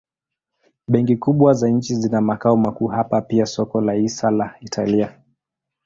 Benki kubwa za nchi zina makao makuu hapa pia soko la hisa la Italia.